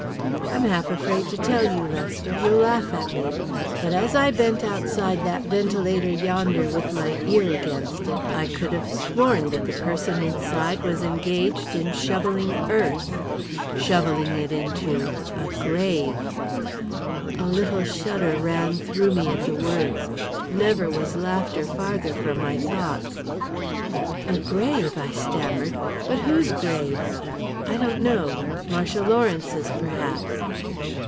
"I'm half afraid to tell you, Lester; you'll laugh at me. But as I bent outside that ventilator yonder with my ear against it, I could have sworn that the person inside was engaged in shovelling earth shovelling it into a grave!" A little shudder ran through me at the words; never was laughter farther from my thoughts. "A grave!" I stammered. "But whose grave?" "I don't know Marcia Lawrence's, perhaps."